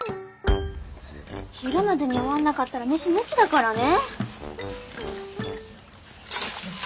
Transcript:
昼までに終わんなかったら飯抜きだからね。